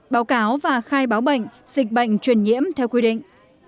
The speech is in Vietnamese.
báo cáo và khai báo bệnh dịch bệnh truyền nhiễm theo quy định